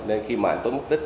nên khi mà anh tuấn mất tích